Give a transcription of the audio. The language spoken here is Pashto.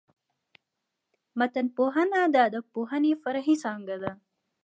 متنپوهنه د ادبپوهني فرعي څانګه ده.